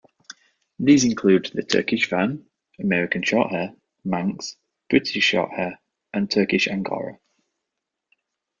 These include the Turkish Van, American Shorthair, Manx, British Shorthair, and Turkish Angora.